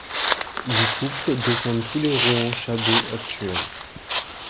Du couple descendent tous les Rohan-Chabot actuels.